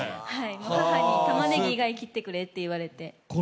母に、たまねぎ以外を切ってくれって言われて。